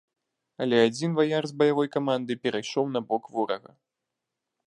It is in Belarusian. Але адзін ваяр з баявой каманды перайшоў на бок ворага.